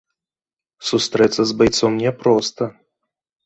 Сустрэцца з байцом няпроста.